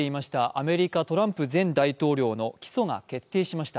アメリカ・トランプ前大統領の起訴が決定しました。